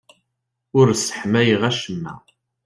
Ur sseḥmayeɣ acemma.